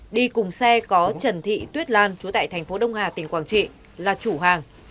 đi cùng xe có trần thị tuyết lan chú tại thành phố đông hà tỉnh quảng trị là chủ hàng